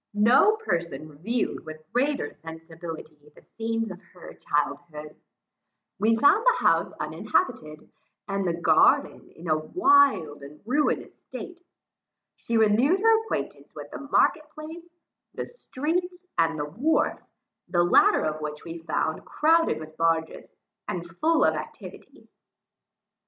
No person reviewed with greater sensibility, the scenes of her childhood. We found the house uninhabited, and the garden in a wild and ruinous state. She renewed her acquaintance with the market place, the streets, and the wharf, the latter of which we found crowded with barges, and full of activity.